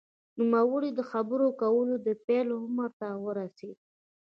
نوموړی د خبرو کولو د پیل عمر ته ورسېد